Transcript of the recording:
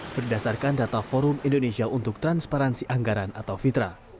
berdasarkan data forum indonesia untuk transparansi anggaran atau fitra